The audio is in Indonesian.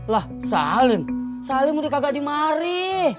lah salim salim udah kagak dimari